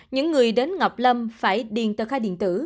những người đến ngọc lâm phải điền tờ khai điện tử